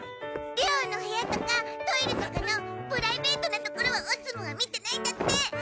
寮の部屋とかトイレとかのプライベートな所はオツムンは見てないんだって！